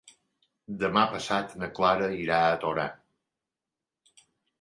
Demà passat na Clara irà a Torà.